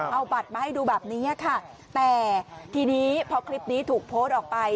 เอาบัตรมาให้ดูแบบนี้ค่ะแต่ทีนี้พอคลิปนี้ถูกโพสต์ออกไป